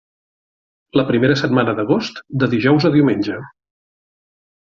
La primera setmana d'agost, de dijous a diumenge.